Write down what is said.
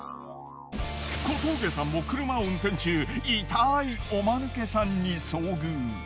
小峠さんも車を運転中痛いおマヌケさんに遭遇。